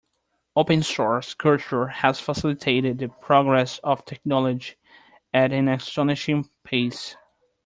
Open source culture has facilitated the progress of technology at an astonishing pace.